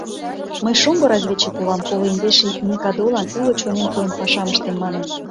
«Мый шоҥго разведчик улам, коло индеш ий микадолан, уло чонем пуэн, пашам ыштем», — манын.